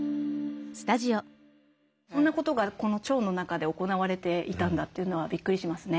こんなことがこの腸の中で行われていたんだというのはびっくりしますね。